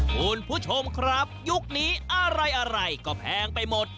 คุณผู้ชมครับยุคนี้อะไรอะไรก็แพงไปหมด